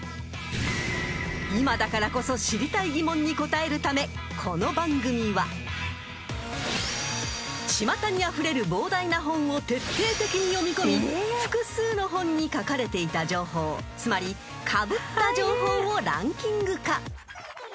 ［今だからこそ知りたい疑問に答えるためこの番組はちまたにあふれる膨大な本を徹底的に読み込み複数の本に書かれていた情報つまりかぶった情報をランキング化］